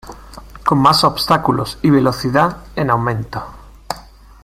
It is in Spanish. Con más obstáculos y velocidad en aumento.